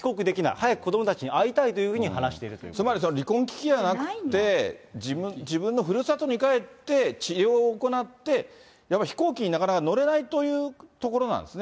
早く子どもたちに会いたいというふつまり、離婚危機じゃなくて、自分のふるさとに帰って、治療を行って、飛行機になかなか乗れないというところなんですね。